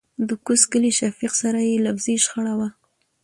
دکوز کلي شفيق سره يې لفظي شخړه وه .